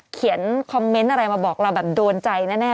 เขียนคอมเมนต์อะไรมาบอกเราแบบโดนใจแน่